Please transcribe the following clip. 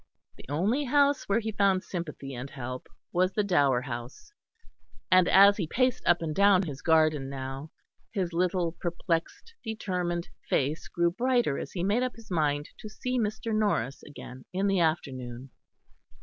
The only house where he found sympathy and help was the Dower House; and as he paced up and down his garden now, his little perplexed determined face grew brighter as he made up his mind to see Mr. Norris again in the afternoon.